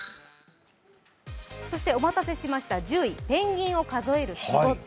そしてお待たせしました、１０位、ペンギンを数える仕事。